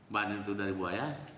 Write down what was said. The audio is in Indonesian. bahan itu dari buaya